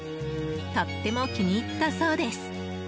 とても気に入ったそうです。